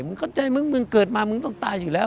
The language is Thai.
เข้าใจมึงมึงเกิดมามึงต้องตายอยู่แล้ว